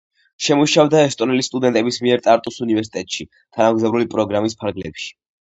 შემუშავდა ესტონელი სტუდენტების მიერ ტარტუს უნივერსიტეტში, თანამგზავრული პროგრამის ფარგლებში.